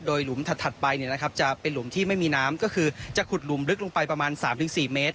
หลุมถัดไปจะเป็นหลุมที่ไม่มีน้ำก็คือจะขุดหลุมลึกลงไปประมาณ๓๔เมตร